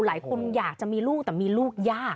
หลายคนอยากจะมีลูกแต่มีลูกยาก